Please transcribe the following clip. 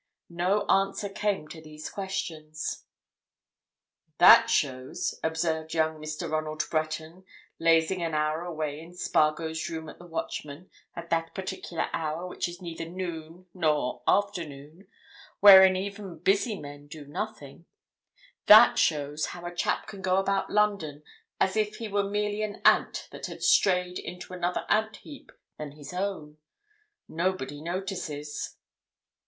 No answer came to these questions. "That shows," observed young Mr. Ronald Breton, lazing an hour away in Spargo's room at the Watchman at that particular hour which is neither noon nor afternoon, wherein even busy men do nothing, "that shows how a chap can go about London as if he were merely an ant that had strayed into another ant heap than his own. Nobody notices."